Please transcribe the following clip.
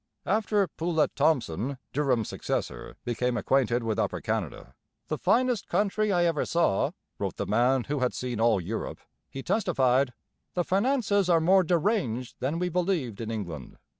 After Poulett Thomson, Durham's successor, became acquainted with Upper Canada 'the finest country I ever saw,' wrote the man who had seen all Europe he testified: 'The finances are more deranged than we believed in England....